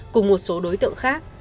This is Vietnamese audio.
cùng một số đối tượng khác